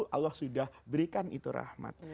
allah sudah berikan itu rahmat